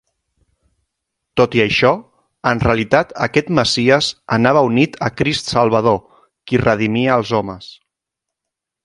Tot i això, en realitat aquest Messies anava unit a Crist Salvador, qui redimia els homes.